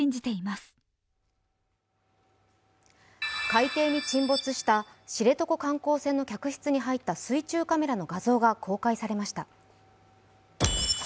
海底に沈没した知床観光船の客室に入った水中カメラの画像が公開されました。